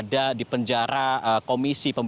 dan tadi kita ter office